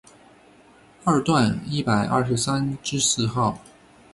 二段一百二十三之四号